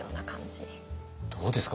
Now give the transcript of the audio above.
どうですか？